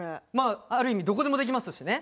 ある意味どこでもできますしね。